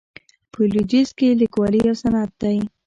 په لویدیځ کې لیکوالي یو صنعت دی.